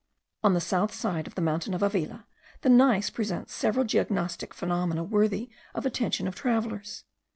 On the south side of the mountain of Avila, the gneiss presents several geognostical phenomena worthy of the attention of travellers.